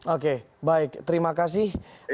oke baik terima kasih